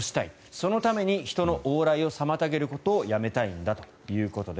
そのために人の往来を妨げることをやめたいんだということです。